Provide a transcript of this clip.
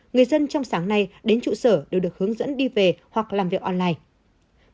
người dân trong sáng nay đến trụ sở đều được hướng dẫn đi về hoặc làm việc online